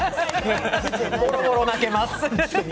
ボロボロ泣けます。